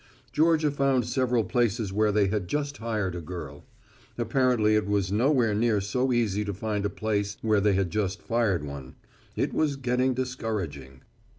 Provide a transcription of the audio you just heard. Georgia found several places where they had just hired a girl. Apparently it was nowhere near so easy to find a place where they had just fired one. It was getting discouraging.